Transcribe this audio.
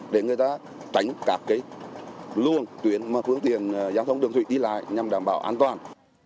để người ta tránh các luồng tuyến phương tiện giao thông đường thủy đi lại nhằm đảm bảo an toàn